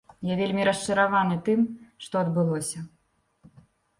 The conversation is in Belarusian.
Я вельмі расчараваны тым, што адбылося.